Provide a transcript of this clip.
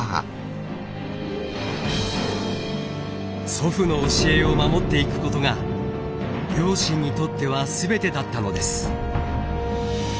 祖父の教えを守っていくことが両親にとっては全てだったのです。